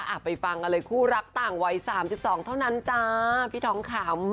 แล้วไปฟังกันเลยคู่ลักต่างวัย๓๒เท่านั้นจ้าพี่ท้องข่าว